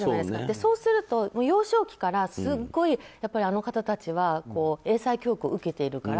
そうすると幼少期から、すごいあの方たちは英才教育を受けられているから、